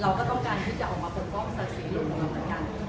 เราก็ต้องการที่จะออกมาปกป้องศักดิ์ศรีลูกของเราเหมือนกัน